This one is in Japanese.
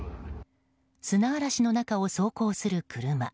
砂嵐の中を走行する車。